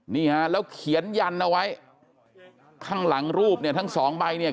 นี่ฮะแล้วเขียนยันเอาไว้ข้างหลังรูปเนี่ยทั้งสองใบเนี่ย